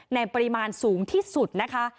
ในปริมาณสูงที่สุดนะคะ